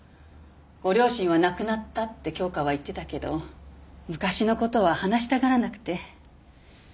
ご両親は亡くなったって京花は言ってたけど昔のことは話したがらなくて。